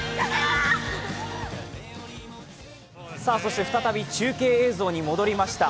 そして再び中継映像に戻りました。